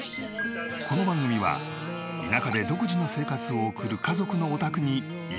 この番組は田舎で独自の生活を送る家族のお宅に１泊。